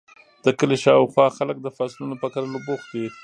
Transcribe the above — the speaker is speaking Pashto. د کلي شااوخوا خلک د فصلونو په کرلو بوخت دي.